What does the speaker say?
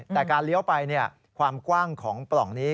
แต่การเลี้ยวไปความกว้างของปล่องนี้